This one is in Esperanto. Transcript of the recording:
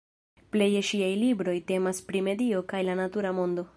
Pleje ŝiaj libroj temas pri medio kaj la natura mondo.